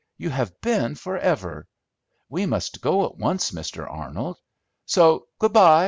You have been forever! We must go at once, Mr. Arnold; so good by!